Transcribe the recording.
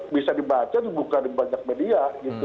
bisa dibaca dan dibuka di banyak media